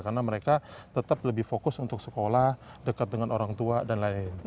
karena mereka tetap lebih fokus untuk sekolah dekat dengan orang tua dan lain lain